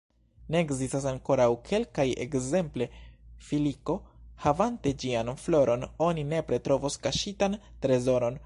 Ne, ekzistas ankoraŭ kelkaj, ekzemple, filiko: havante ĝian floron, oni nepre trovos kaŝitan trezoron.